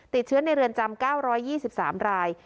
ติดเชื้อในเรือนจำ๙๒๓ราย